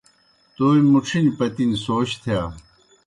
تومیْ مُڇِھنیْ پتِنیْ سوچ تِھیا۔